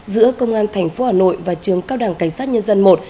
giữa công an thành phố hà nội và trường cao đẳng cảnh sát nhân dân i